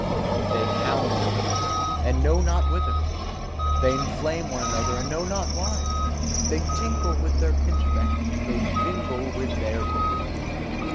They hound one another, and know not whither! They inflame one another, and know not why! They tinkle with their pinchbeck, they jingle with their gold.